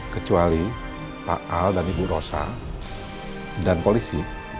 kecuali pak al dan ibu rosa dan polisi